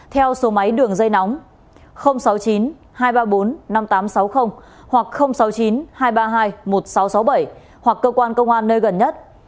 theo số máy đường dây nóng sáu mươi chín hai trăm ba mươi bốn năm nghìn tám trăm sáu mươi hoặc sáu mươi chín hai trăm ba mươi hai một nghìn sáu trăm sáu mươi bảy hoặc cơ quan công an nơi gần nhất